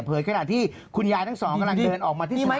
เผยขนาดที่คุณยายทั้งสองกำลังเดินออกมาที่สนามเด็กเล่น